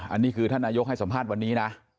อันนี้คือท่านนายกให้สัมภาษณ์วันนี้นะ